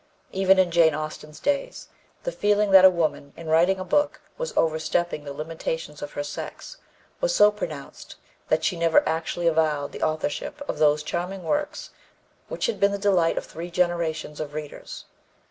Even in Jane Austen's days, the feeling that a woman, in writing a book, was overstepping the limitations of her sex was so pronounced that she never actually avowed the authorship of those charming works which have been the delight of three generations of readers.